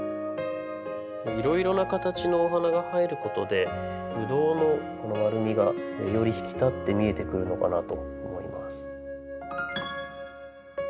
いろいろな形のお花が入ることでブドウのこの丸みがより引き立って見えてくるのかなと思います。